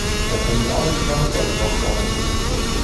Da können wir alle zusammen stolz drauf sein!